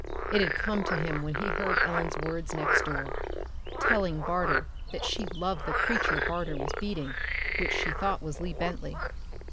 It had come to him when he had heard Ellen's words next door telling Barter that she loved the creature Barter was beating, which she thought was Lee Bentley.